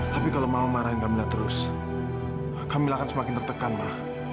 tapi kalau mama marahin kamila terus kamila akan semakin tertekan ma